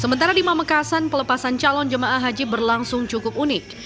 sementara di pamekasan pelepasan calon jemaah haji berlangsung cukup unik